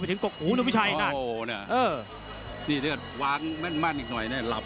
พิกิจชัยตัวเตี้ยเตะสูงเลยครับ